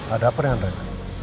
ada apa dengan rena